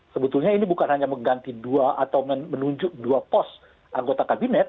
sebetulnya ini bukan hanya mengganti dua atau menunjuk dua pos anggota kabinet